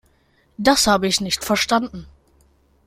Das habe ich nicht verstanden.